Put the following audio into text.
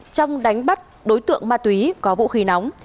trong đánh bắt đối tượng ma túy có vũ khí nóng